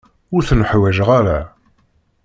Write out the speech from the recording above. Ur ten-ḥwajeɣ ara.